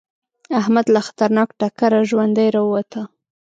احمد له خطرناک ټکره ژوندی راووته.